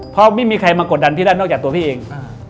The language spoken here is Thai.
เพราะไม่มีใครมากดดันพี่ได้นอกจากตัวพี่เอง